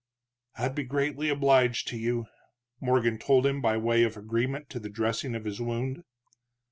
"I'd be greatly obliged to you," Morgan told him, by way of agreement to the dressing of his wound.